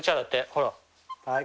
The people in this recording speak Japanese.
ほら。